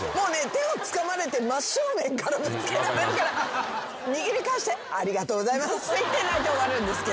手をつかまれて真っ正面からぶつけられるから握り返して「ありがとうございます」って言って終わるんですけど。